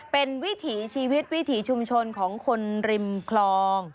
เป็นวิถีชีวิตวิถีชุมชนของคนริมคลอง